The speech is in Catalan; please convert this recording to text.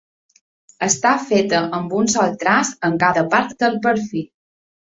Està feta amb un sol traç en cada part del perfil.